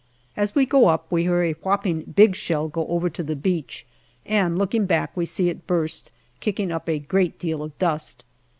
As we go up we hear a whopping big shell go over to the beach, and looking back, we see it burst, kicking up a great deal of dust.